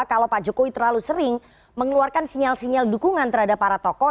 kalau pak jokowi terlalu sering mengeluarkan sinyal sinyal dukungan terhadap para tokoh